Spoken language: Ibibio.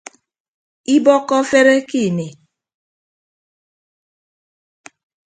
Ibọkkọ afere ke ini.